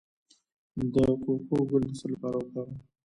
د کوکو ګل د څه لپاره وکاروم؟